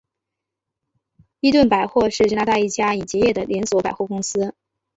伊顿百货是加拿大一家已结业的连锁百货公司。